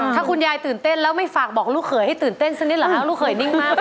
นะคุณยายตื่นเต้นหรือคะคุณยาย